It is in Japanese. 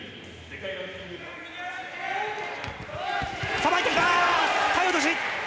さばいてきた。